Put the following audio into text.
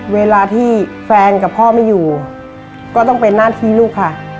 เวลาที่แฟนกับพ่อไม่อยู่ก็ต้องเป็นหน้าที่ลูกค่ะ